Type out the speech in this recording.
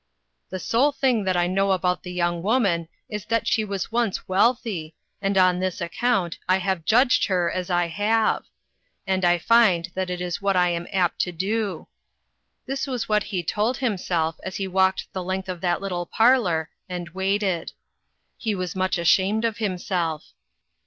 " The sole thing that I know about the young woman is that she was once wealthy, and on this account I have judged her as I have ; and I find that it is what I am apt to do." This is what he told himself as 384 INTERRUPTED. he walked the length of that little parlor, and waited. He was much ashamed of him self.